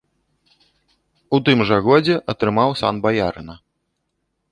У тым жа годзе атрымаў сан баярына.